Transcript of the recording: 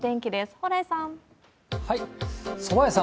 蓬莱さん。